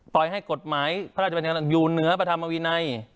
ปล่อยให้กฎหมายพระราชบัญญัติคณะสงฆ์อยู่เหนือพระธรรมวินัย